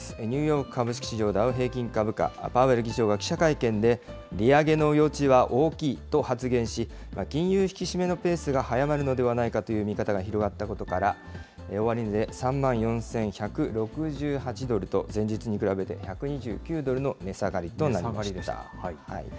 ニューヨーク株市場、ダウ平均株価、パウエル議長は記者会見で、利上げの余地は大きいと発言し、金融引き締めのペースが早まるのではないかという見方が広がったことから、終値で３万４１６８ドルと、前日に比べて、１２９ドルの値下がり値下がりですか。